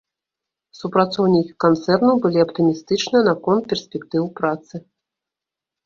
Супрацоўнікі канцэрну былі аптымістычныя наконт перспектыў працы.